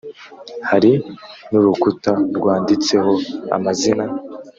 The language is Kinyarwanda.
Hari n’urukuta rwanditseho amazina